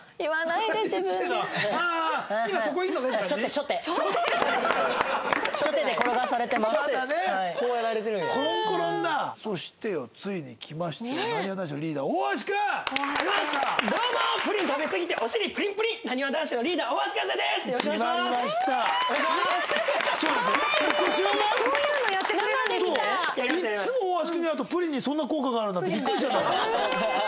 いつも大橋君に会うとプリンにそんな効果があるんだってビックリしちゃうんだから。